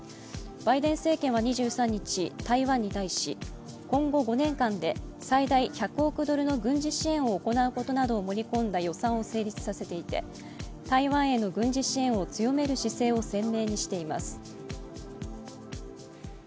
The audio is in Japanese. バイデン政権は２３日、台湾に対し今後５年間で最大１００億ドルの軍事支援を行うことなどを盛り込んだ予算を成立させていて、台湾への軍事支援を強める姿勢を鮮明にしています。